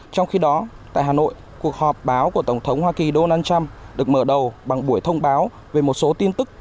trong khi đó tại hà nội cuộc họp báo của tổng thống hoa kỳ donald trump được mở đầu bằng buổi thông báo về một số tin tức